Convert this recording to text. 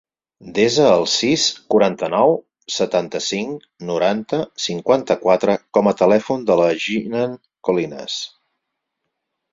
Desa el sis, quaranta-nou, setanta-cinc, noranta, cinquanta-quatre com a telèfon de la Jinan Colinas.